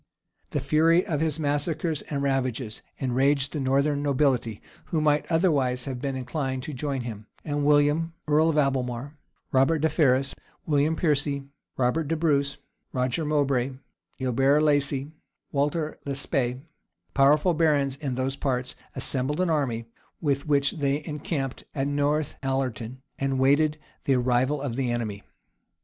{1138.} The fury of his massacres and ravages enraged the northern nobility, who might otherwise have been inclined to join him; and William, earl of Albemarle, Robert de Ferrers, William Piercy, Robert de Brus, Roger Moubray, Ilbert Lacy, Walter l'Espee, powerful barons in those parts, assembled an army, with which they encamped at North Allerton, and awaited the arrival of the enemy.